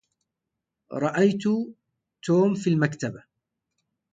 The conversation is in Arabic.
رأيت توم في المكتبة